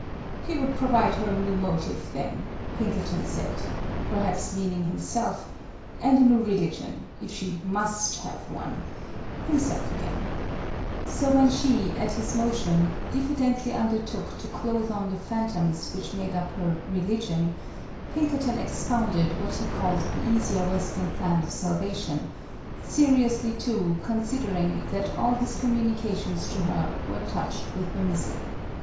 He would provide her a new motive, then, Pinkerton said, perhaps meaning himself, and a new religion, if she must have one himself again. So when she, at his motion, diffidently undertook to clothe on the phantoms which made up her " reli gion," Pinkerton expounded what he called the easier Western plan of salvation seri ously, too, considering thai all his commu nications to her were touched with whimsy.